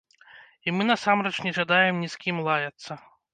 І мы насамрэч не жадаем ні з кім лаяцца.